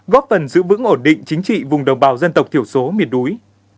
góp phần giữ vững ổn định chính trị vùng đồng bào dân tộc thiểu số miệt đuối